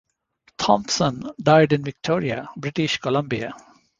Thompson died in Victoria, British Columbia.